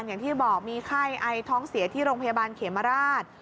อย่างที่บอกมีไข้ไอท้องเสียที่โรงพยาบาลเขมราช